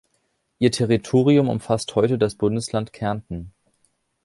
Ihr Territorium umfasst heute das Bundesland Kärnten.